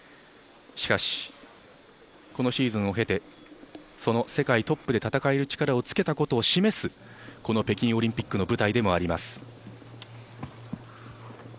しかし、このシーズンを経てその世界トップで戦える力をつけたことを示す、この北京オリンピックの舞台でもあります。